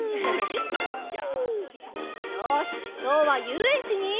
よしきょうはゆうえんちに。